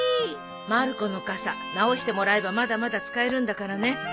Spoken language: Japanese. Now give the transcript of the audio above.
まる子の傘直してもらえばまだまだ使えるんだからね。